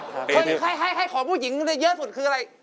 ใครขอผู้หญิงในเยอะสุดคืออะไร